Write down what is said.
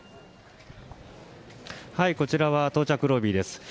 こちらは到着ロビーです。